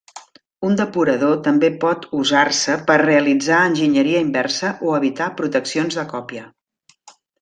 Un depurador també pot usar-se per realitzar enginyeria inversa o evitar proteccions de còpia.